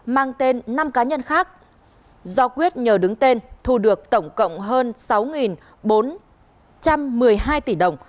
mang tên năm cá nhân khác do quyết nhờ đứng tên thu được tổng cộng hơn sáu bốn trăm một mươi hai tỷ đồng